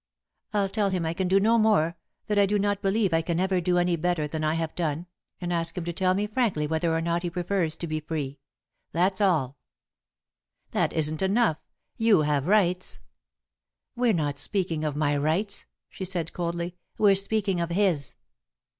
I'll tell him I can do no more, that I do not believe I can ever do any better than I have done, and ask him to tell me frankly whether or not he prefers to be free. That's all." [Sidenote: How Different?] "That isn't enough. You have rights " "We're not speaking of my rights," she said, coldly. "We're speaking of his."